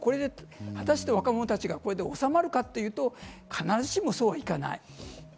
果たして若者たちが収まるかっていうと、必ずしもそうはいかない。